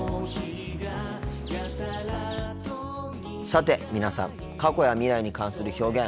さて皆さん過去や未来に関する表現